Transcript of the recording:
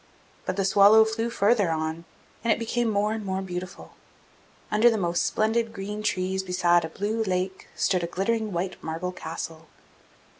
But the swallow flew on farther, and it became more and more beautiful. Under the most splendid green trees besides a blue lake stood a glittering white marble castle.